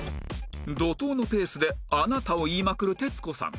怒濤のペースで「あなた」を言いまくる徹子さん